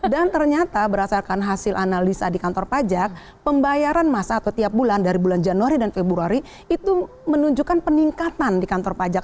dan ternyata berdasarkan hasil analisa di kantor pajak pembayaran masa atau tiap bulan dari bulan januari dan februari itu menunjukkan peningkatan di kantor pajak